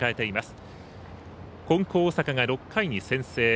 大阪が６回に先制。